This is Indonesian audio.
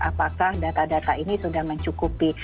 apakah data data ini sudah mencukupi